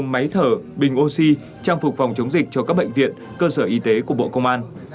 năm máy thở bình oxy trang phục phòng chống dịch cho các bệnh viện cơ sở y tế của bộ công an